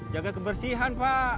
jaga kebersihan pak